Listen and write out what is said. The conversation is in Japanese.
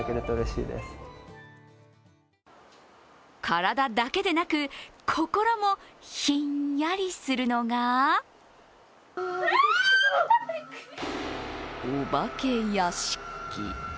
体だけでなく、心もひんやりするのがお化け屋敷。